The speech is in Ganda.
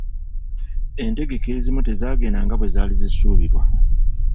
Entegeka ezimu tezaagenda nga bwe zaali zisuubirwa.